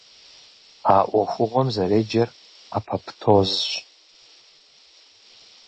А Ӏуэхугъуэм зэреджэр апоптозщ.